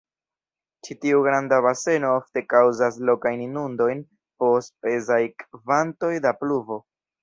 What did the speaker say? Ĉi-tiu granda baseno ofte kaŭzas lokajn inundojn post pezaj kvantoj da pluvo.